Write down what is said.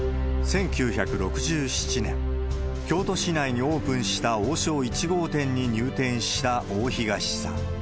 １９６７年、京都市内にオープンした王将１号店に入店した大東さん。